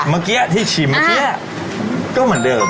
เมื่อกี้ที่ชิมเมื่อกี้ก็เหมือนเดิม